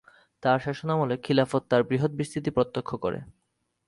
তার শাসনামলে খিলাফত তার বৃহৎ বিস্তৃতি প্রত্যক্ষ করে।